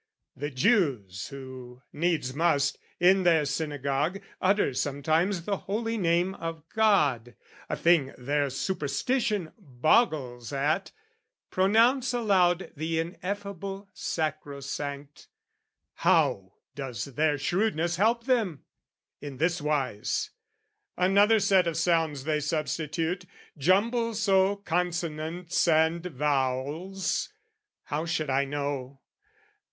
"The Jews who needs must, in their synagogue, "Utter sometimes the holy name of God, "A thing their superstition boggles at, "Pronounce aloud the ineffable sacrosanct, "How does their shrewdness help them? In this wise; "Another set of sounds they substitute, "Jumble so consonants and vowels how "Should I know?